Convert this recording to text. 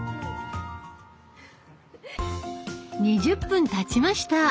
２０分たちました。